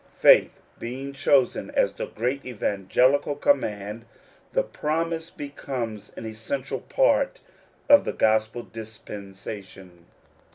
Faith being chosen as the great evangelical command, the promise becomes an essential part of the gospel dispensation.